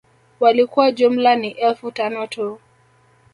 Walikuwa jumla ni Elfu tano tu